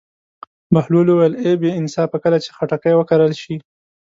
بهلول وویل: ای بې انصافه کله چې خټکی وکرل شي.